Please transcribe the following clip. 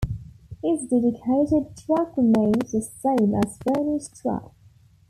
His dedicated track remains the same as Bernie's track.